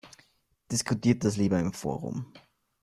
Diskutiert das lieber im Forum!